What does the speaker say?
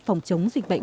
phòng chống dịch bệnh